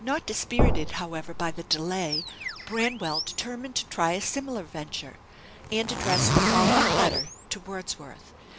Not dispirited, however, by the delay, Branwell determined to try a similar venture, and addressed the following letter to Wordsworth.